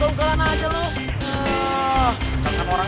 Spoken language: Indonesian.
duh kejar duh kejar duh